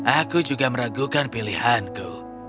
aku juga meragukan pilihanku